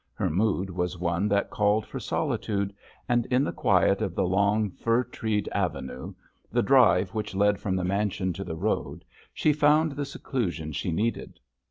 Her mood was one that called for solitude, and in the quiet of the long, fir treed avenue, the drive which led from the mansion to the road, she found the seclusion she needed.